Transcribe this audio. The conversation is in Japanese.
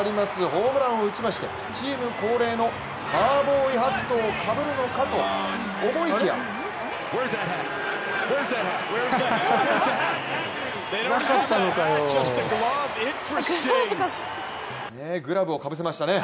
ホームランを打ちましてチーム恒例のカウボーイハットをかぶるのかと思いきやグラブをかぶせましたね。